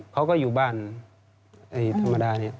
เขาก็อยู่บ้านธรรมดานี้